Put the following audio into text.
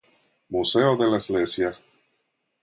Museo della Slesia